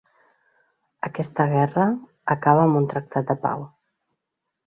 Aquesta guerra acaba amb un tractat de pau.